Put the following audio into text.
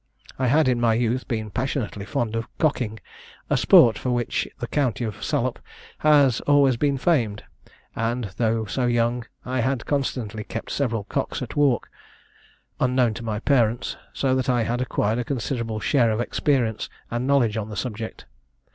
I had in my youth been passionately fond of cocking, a sport for which the county of Salop has been always famed; and, though so young, I had constantly kept several cocks at walk, unknown to my parents; so that I had acquired a considerable share of experience and knowledge on the subject.